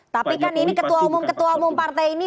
tapi kan ini ketua umum ketua umum partai ini